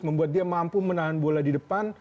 membuat dia mampu menahan bola di depan